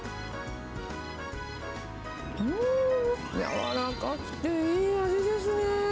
うん、柔らかくていい味ですね。